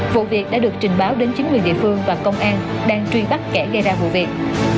vụ việc đã được trình báo đến chính quyền địa phương và công an đang truy bắt kẻ gây ra vụ việc